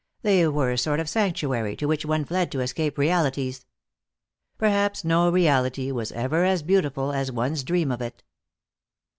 They were a sort of sanctuary to which one fled to escape realities. Perhaps no reality was ever as beautiful as one's dream of it.